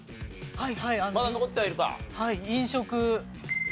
はい。